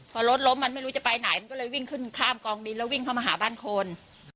พอรถล้มมันไม่รู้จะไปไหนมันก็เลยวิ่งขึ้นข้ามกองดินแล้ววิ่งเข้ามาหาบ้านคน